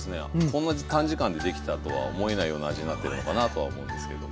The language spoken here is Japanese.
こんな短時間でできたとは思えないような味になってるのかなとは思うんですけど。